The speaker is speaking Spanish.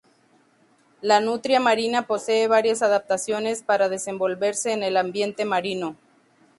La nutria marina posee varias adaptaciones para desenvolverse en el ambiente marino.